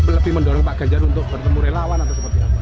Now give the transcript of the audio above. lebih mendorong pak ganjar untuk bertemu relawan atau seperti apa